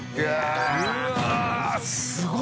うわぁすごい。